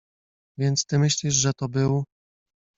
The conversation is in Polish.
- Więc ty myślisz, że to był....